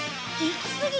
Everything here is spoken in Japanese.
いきすぎ！